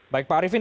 baik pak arifin